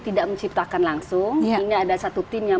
tidak menciptakan langsung ini ada satu tim yang